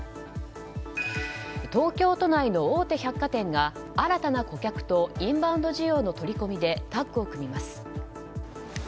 東京都内の大手百貨店が新たな顧客とインバウンド需要の取り組みでタッグを組みます。